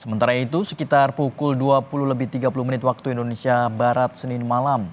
sementara itu sekitar pukul dua puluh lebih tiga puluh menit waktu indonesia barat senin malam